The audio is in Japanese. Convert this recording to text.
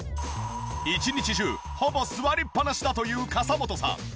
一日中ほぼ座りっぱなしだという笠本さん。